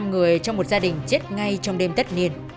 năm người trong một gia đình chết ngay trong đêm tất niên